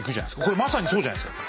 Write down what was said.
これまさにそうじゃないですか。